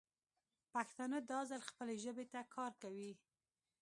پښتانه دا ځل خپلې ژبې ته کار کوي.